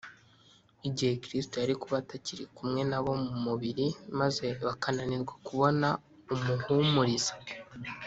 igihe kristo yari kuba atakiri kumwe na bo mu mubiri maze bakananirwa kubona umuhumuriza,